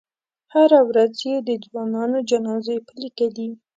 هره ورځ یې د ځوانانو جنازې په لیکه دي.